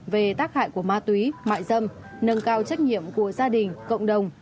về tác hại của ma túy mại dâm nâng cao trách nhiệm của gia đình cộng đồng